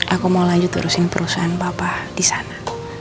aku mau lanjut urusin perusahaan bapak disana